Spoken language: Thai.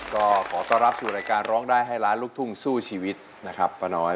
ก็ขอต้อนรับสู่รายการร้องได้ให้ล้านลูกทุ่งสู้ชีวิตนะครับป้าน้อย